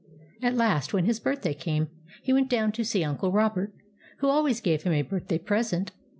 At last when his birthday came, he went down to see Uncle Robert, who always gave him a birthday present.